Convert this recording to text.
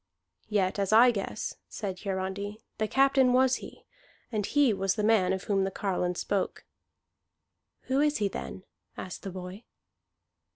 "Yet, as I guess," said Hiarandi, "the captain was he, and he was the man of whom the carline spoke." "Who is he, then?" asked the boy.